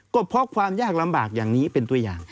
ก็เพราะความยากลำบากอย่างนี้เป็นตัวอย่าง